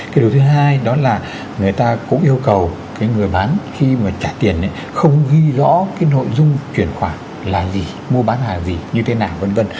cái điều thứ hai đó là người ta cũng yêu cầu cái người bán khi mà trả tiền không ghi rõ cái nội dung chuyển khoản là gì mua bán hàng gì như thế nào v v